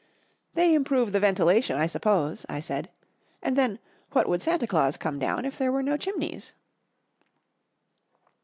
"They improve the ventilation, I suppose," I said, "and then, what would Santa Claus come down if there were no chimneys?"